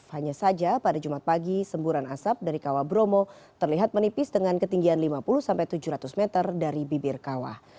hanya saja pada jumat pagi semburan asap dari kawah bromo terlihat menipis dengan ketinggian lima puluh sampai tujuh ratus meter dari bibir kawah